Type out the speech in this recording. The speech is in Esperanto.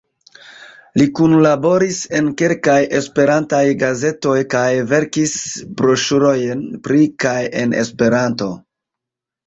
Li kunlaboris en kelkaj esperantaj gazetoj, kaj verkis broŝurojn pri kaj en Esperanto.